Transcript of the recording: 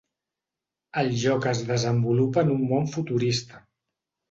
El joc es desenvolupa en un món futurista.